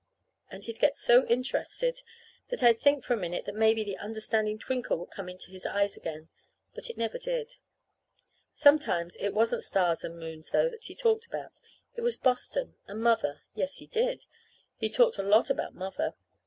And he'd get so interested that I'd think for a minute that maybe the understanding twinkle would come into his eyes again. But it never did. Sometimes it wasn't stars and moons, though, that he talked about. It was Boston, and Mother. Yes, he did. He talked a lot about Mother.